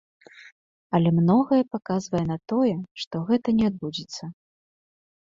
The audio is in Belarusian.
Але многае паказвае на тое, што гэта не адбудзецца.